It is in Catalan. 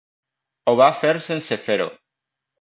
Ho va fer sense fer-ho.